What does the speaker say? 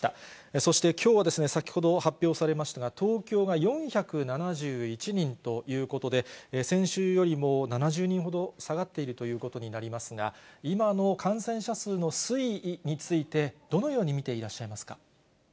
そしてきょうは先ほど発表されましたが、東京が４７１人ということで、先週よりも７０人ほど下がっているということになりますが、今の感染者数の推移について、どのように見ていらっしゃいますか。